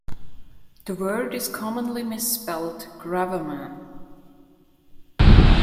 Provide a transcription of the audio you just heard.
The word is commonly misspelled "gravaman".